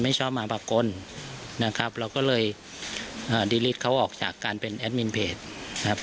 ชอบมาปากกลนะครับเราก็เลยอ่าดีฤทธิเขาออกจากการเป็นแอดมินเพจนะครับ